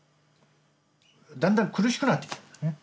だんだん苦しくなってきたんだね